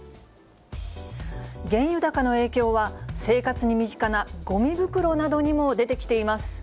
原油高の影響は、生活に身近なごみ袋などにも出てきています。